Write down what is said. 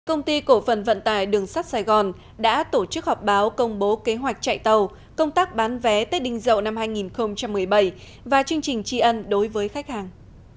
công ty cổ phần vận tải đường sắt sài gòn đã tổ chức họp báo công bố kế hoạch chạy tàu công tác bán vé tết đinh dậu năm hai nghìn một mươi bảy và chương trình tri ân đối với khách hàng